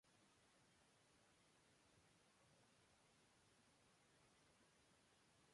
Erechim fue una de las primeras ciudades Brasileñas modernas en ser planeada.